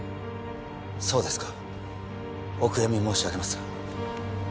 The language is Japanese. そうですかお悔やみ申し上げます